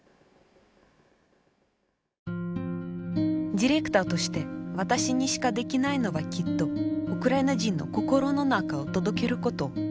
ディレクターとして私にしかできないのはきっとウクライナ人の心の中を届けること。